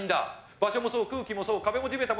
場所もそう空気もそう壁も地べたも